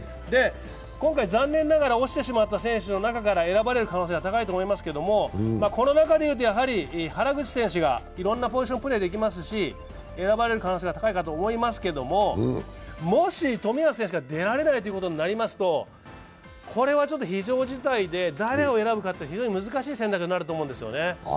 今回、残念ながら落ちてしまった選手の中から選ばれる可能性が高いと思いますがこの中でいうとやはり原口選手が、いろんなポジションをプレーできますし、選ばれる可能性が高いかと思いますけども、もし冨安選手が出られないということになりますと非常事態で誰を選ぶか、非常に難しい選択になると思うんですよね。